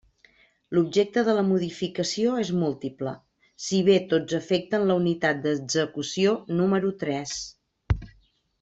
L'objecte de la modificació és múltiple, si bé tots afecten la unitat d'execució número tres.